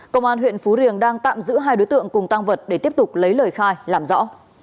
công an huyện phú riềng đang tạm giữ hai đối tượng cùng tăng vật để tiếp tục lấy lời khai làm rõ